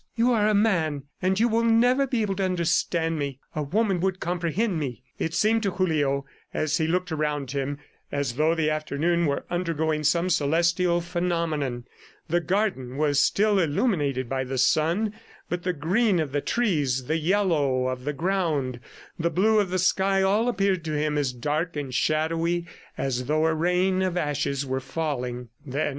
"You are a man, and you will never be able to understand me. ... A woman would comprehend me." It seemed to Julio, as he looked around him, as though the afternoon were undergoing some celestial phenomenon. The garden was still illuminated by the sun, but the green of the trees, the yellow of the ground, the blue of the sky, all appeared to him as dark and shadowy as though a rain of ashes were falling. "Then